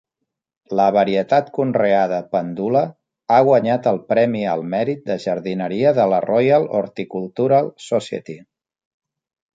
La varietat conreada "Pendula" ha guanyat el premi al mèrit de jardineria de la Royal Horticultural Society.